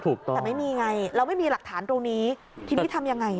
แต่ไม่มีไงเราไม่มีหลักฐานตรงนี้ทีนี้ทำยังไง